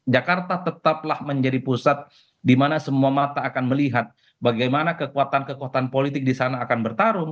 jakarta tetaplah menjadi pusat di mana semua mata akan melihat bagaimana kekuatan kekuatan politik di sana akan bertarung